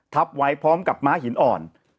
ทับไว้พร้อมกับม้าหินอ่อน